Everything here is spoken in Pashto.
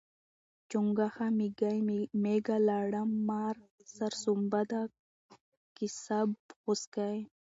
چونګښه، میږی، میږه، لړم، مار، سرسوبنده، کیسپ، غوسکی